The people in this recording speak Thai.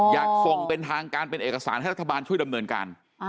อยากส่งเป็นทางการเป็นเอกสารให้รัฐบาลช่วยดำเนินการ